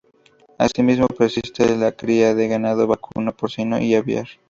Asimismo, persiste la cría de ganado vacuno, porcino y aviar.